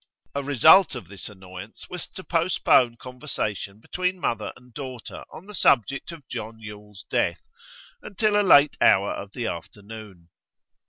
A result of this annoyance was to postpone conversation between mother and daughter on the subject of John Yule's death until a late hour of the afternoon.